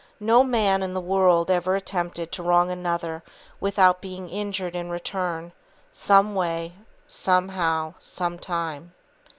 No man in the world ever attempted to wrong another without being injured in return, someway, somehow, sometime.